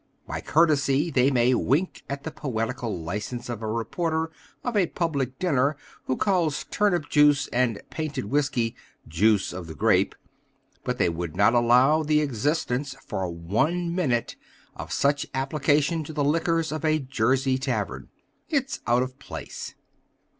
By courtesy, they may wink at the poetical license of a reporter of a public dinner who calls turnip juice and painted whisky "juice of the grape," but they would not allow the existence, for one minute, of such application to the liquors of a Jersey tavern. It's out of place.